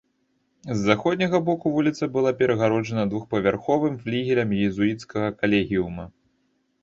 З заходняга боку вуліца была перагароджана двухпавярховым флігелем езуіцкага калегіума.